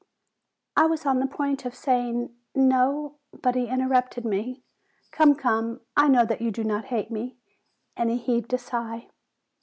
I was on the point of saying "no r ," but he interrupted me. "Come, come, I know that you do not hate me!" and he heaved a sigh.